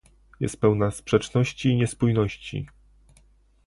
Jest pełna sprzeczności i niespójności